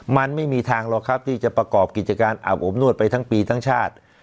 มันไม่มีทางหรอกครับที่จะประกอบกิจการอาบอบนวดไปทั้งปีทั้งชาติ